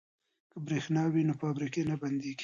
که بریښنا وي نو فابریکې نه بندیږي.